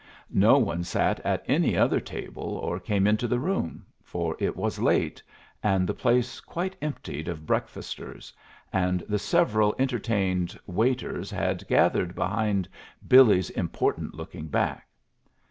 No one sat at any other table or came into the room, for it was late, and the place quite emptied of breakfasters, and the several entertained waiters had gathered behind Billy's important looking back.